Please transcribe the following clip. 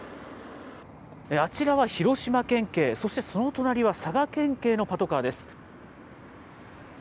あちらは、広島県警、そしてその隣は佐賀県警のパトカーです。